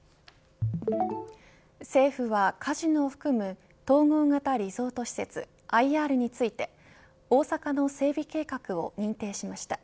政府は、カジノを含む統合型リゾート施設ＩＲについて大阪の整備計画を認定しました。